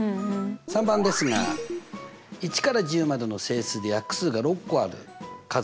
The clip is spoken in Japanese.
③番ですが「１から１０までの整数で約数が６個ある数の集まり」。